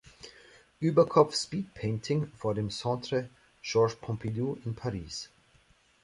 Überkopf-Speedpainting vor dem Centre Georges Pompidou in Paris